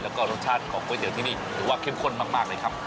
แล้วก็รสชาติของก๋วยเตี๋ยวที่นี่ถือว่าเข้มข้นมากเลยครับ